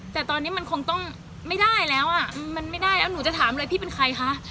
แต่ตอนนี้มันคงต้องไม่ได้แล้วอ่ะมันไม่ได้แล้วหนูจะถามเลยพี่เป็นใครคะ